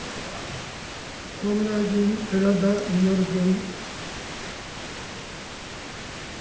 総務大臣、寺田稔君。